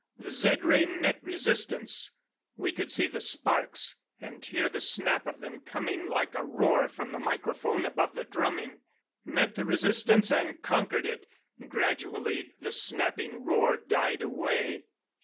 The Zed ray met resistance; we could see the sparks, and hear the snap of them coming like a roar from the microphone above the drumming. Met the resistance and conquered it; gradually the snapping roar died away.